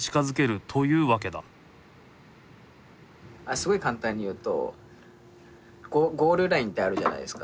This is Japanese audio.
すごい簡単に言うとゴールラインってあるじゃないですか。